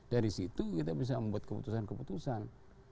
dari situ kita bisa membuat keputusan keputusan